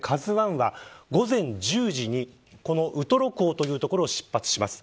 ＫＡＺＵ１は午前１０時にこのウトロ港という所を出発します。